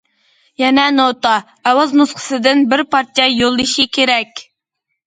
يەنە نوتا، ئاۋاز نۇسخىسىدىن بىر پارچە يوللىشى كېرەك.